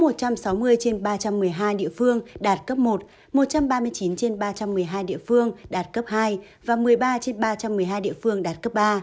một trăm sáu mươi trên ba trăm một mươi hai địa phương đạt cấp một một trăm ba mươi chín trên ba trăm một mươi hai địa phương đạt cấp hai và một mươi ba trên ba trăm một mươi hai địa phương đạt cấp ba